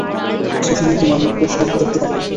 সেদিন তোমার মুখ পরিষ্কার দেখতে পারিনি।